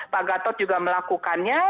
pak gatot juga melakukannya